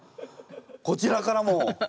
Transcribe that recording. こちらからも。